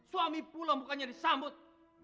suami pulang bukannya disambut